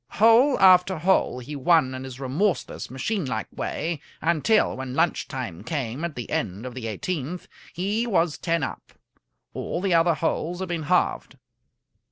Hole after hole he won in his remorseless, machine like way, until when lunch time came at the end of the eighteenth he was ten up. All the other holes had been halved.